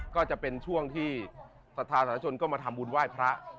ก็จะเป็นช่วงที่สถานชนก็มาทำบุญไหว้พระ